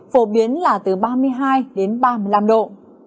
phổ biến là từ ba mươi hai đến ba mươi năm độ